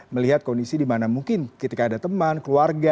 melihat kondisi dimana mungkin ketika ada teman keluarga